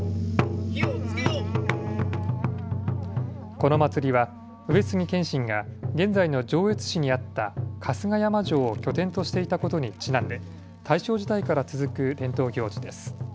この祭りは上杉謙信が現在の上越市にあった春日山城を拠点としていたことにちなんで大正時代から続く伝統行事です。